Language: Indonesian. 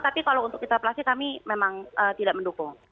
tapi kalau untuk interpelasi kami memang tidak mendukung